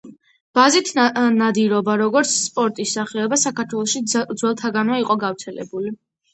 ბაზით ნადირობა, როგორც სპორტის სახეობა, საქართველოში ძველთაგანვე იყო გავრცელებული.